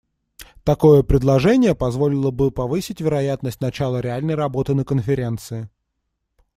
Такое предложение позволило бы повысить вероятность начала реальной работы на Конференции.